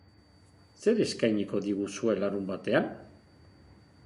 Zer eskainiko diguzue larunbatean?